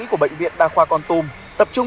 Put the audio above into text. của bệnh viện đa khoa con tôm tập trung